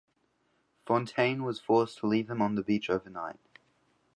Fontaine was forced to leave them on the beach overnight.